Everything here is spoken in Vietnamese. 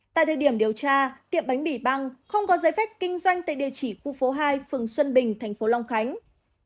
tại thời điểm điều tra tiệm bánh bỉ băng không có giấy phép kinh doanh tại địa chỉ khu phố hai phường xuân bình tp long khánh